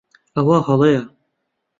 ئەوە ھەڵەیە.